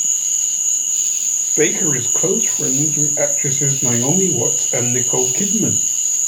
Baker is close friends with actresses Naomi Watts and Nicole Kidman.